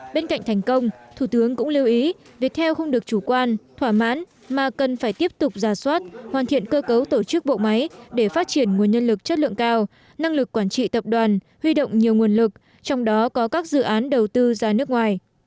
bên cạnh thành công thủ tướng cũng lưu ý việt theo không được chủ quan thỏa mãn mà cần phải tiếp tục ra soát hoàn thiện cơ cấu tổ chức bộ máy để phát triển nguồn nhân lực chất lượng cao năng lực quản trị tập đoàn huy động nhiều nguồn lực trong đó có các dự án đầu tư ra nước ngoài